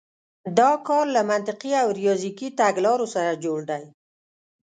دا کار له منطقي او ریاضیکي تګلارو سره جوړ دی.